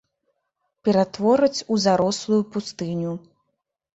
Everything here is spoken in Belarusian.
Ператвораць у зарослую пустыню.